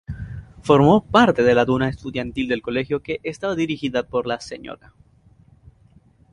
Formó parte de la Tuna Estudiantil del colegio, que estaba dirigida por la Sra.